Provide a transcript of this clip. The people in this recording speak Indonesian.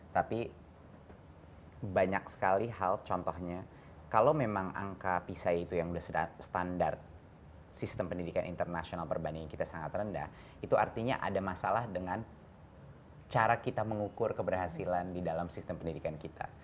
tapi banyak sekali hal contohnya kalau memang angka pisai itu yang sudah standar sistem pendidikan internasional perbandingan kita sangat rendah itu artinya ada masalah dengan cara kita mengukur keberhasilan di dalam sistem pendidikan kita